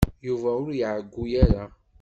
Yuba ur iɛeyyu ara.